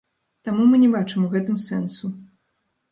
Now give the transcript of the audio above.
Таму мы не бачым у гэтым сэнсу.